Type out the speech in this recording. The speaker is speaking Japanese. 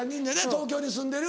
東京に住んでる。